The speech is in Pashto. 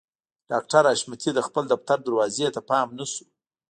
ډاکټر حشمتي د خپل دفتر دروازې ته پام نه شو